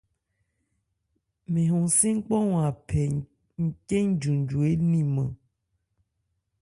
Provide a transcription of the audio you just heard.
Mɛn hɔn-sɛ́n kpánhɔn a phɛ ncɛ́n njunju éliiman.